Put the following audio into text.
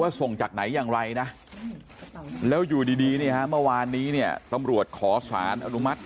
ส่งจากไหนอย่างไรนะแล้วอยู่ดีเนี่ยฮะเมื่อวานนี้เนี่ยตำรวจขอสารอนุมัติ